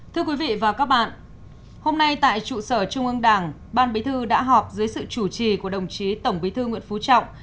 thưa quý vị và các bạn hôm nay tại trụ sở trung ương đảng ban bí thư đã họp dưới sự chủ trì của đồng chí tổng bí thư nguyễn phú trọng